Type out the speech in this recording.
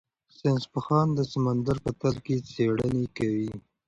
ساینس پوهان د سمندر په تل کې څېړنې کوي.